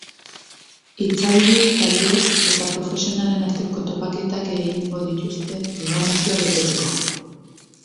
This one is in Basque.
Hitzaldi, tailer etaprofesionalen arteko topaketak egingo dituzte programazioa betetzeko.